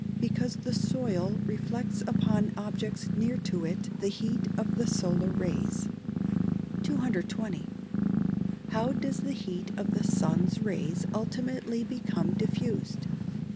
_ Because the soil reflects upon objects near to it the heat of the solar rays. 220. _How does the heat of the sun's rays ultimately become diffused?